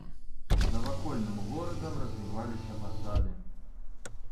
За вакольным горадам развіваліся пасады.